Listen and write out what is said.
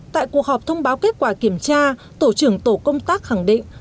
tại cuộc họp thông báo kết quả kiểm tra tổ trưởng tổ công tác khẳng định